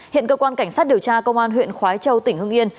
hiện cơ quan cảnh sát điều tra công an huyện khói châu tỉnh hưng yên